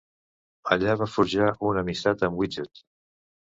Allà va forjar una amistat amb Widget.